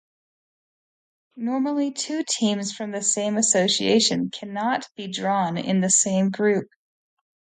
Normally two teams from the same association cannot be drawn in the same group.